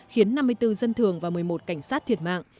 khiến năm mươi bốn dân thường và một mươi một cảnh sát thiệt mạng